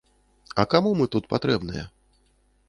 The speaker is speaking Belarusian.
А каму мы тут патрэбныя?